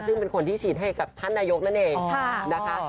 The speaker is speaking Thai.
ซึ่งเป็นคนที่ฉีดให้กับท่านนายกนั่นเองนะคะ